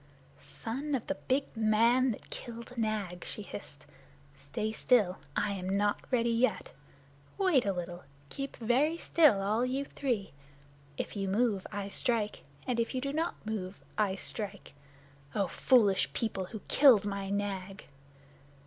"Son of the big man that killed Nag," she hissed, "stay still. I am not ready yet. Wait a little. Keep very still, all you three! If you move I strike, and if you do not move I strike. Oh, foolish people, who killed my Nag!"